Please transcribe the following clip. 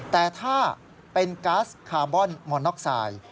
แต่ถ้าเป็นก๊าซคาร์บอนมอน็อกไซด์